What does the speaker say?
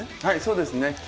はいそうですね。